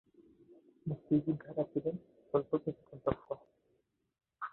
মুক্তিযোদ্ধারা ছিলেন স্বল্প প্রশিক্ষণপ্রাপ্ত।